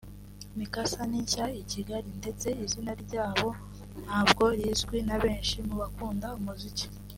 Mi Casa ni nshya i Kigali ndetse izina ryabo ntabwo rizwi na benshi mu bakunda umuziki